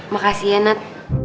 makasih ya net